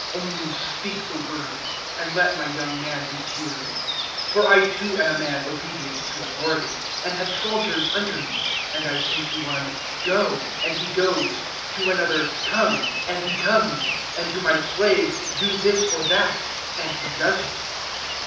Only speak the word, and let my young man be cured. 007:008 For I too am a man obedient to authority, and have soldiers under me; and I say to one, `Go,' and he goes; to another, `Come,' and he comes; and to my slave, `Do this or that,' and he does it."